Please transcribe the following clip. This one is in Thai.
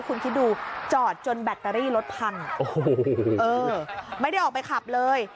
คุณคิดดูจอดจนแบตเตอรี่รถพันไม่ได้ออกไปขับเลย